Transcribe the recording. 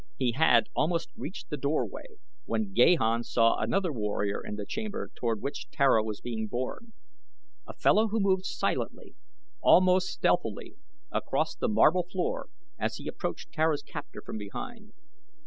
He had almost reached the doorway when Gahan saw another warrior in the chamber toward which Tara was being borne a fellow who moved silently, almost stealthily, across the marble floor as he approached Tara's captor from behind.